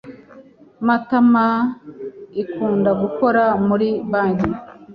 Matamainkunda gukora muri banki.